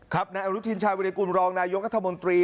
ครับนายอรุทินชาวิเรกุลรองนายุทธมนตรี